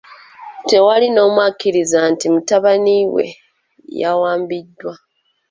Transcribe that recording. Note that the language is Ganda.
Tewali n'omu akkiriza nti mutabani we yawambiddwa.